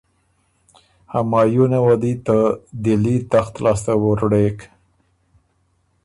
همایونه وه دی ته دهلي تخت لاسته وُرړېک۔